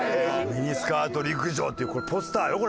「ミニスカート陸上」っていうポスターよこれ。